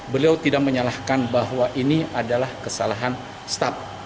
beliau tidak menyalahkan bahwa ini adalah kesalahan staff